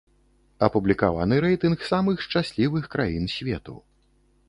Апублікаваны рэйтынг самых шчаслівых краін свету.